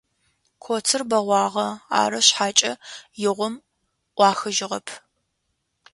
Коцыр бэгъуагъэ, ары шъхьакӏэ игъом ӏуахыжьыгъэп.